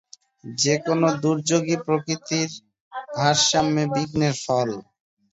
যে কোন দুর্যোগই প্রকৃতির ভারসাম্যে বিঘ্নের ফল।